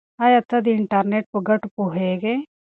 آیا ته د انټرنیټ په ګټو پوهېږې؟